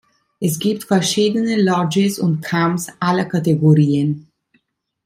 Es gibt verschiedene Lodges und Camps aller Kategorien.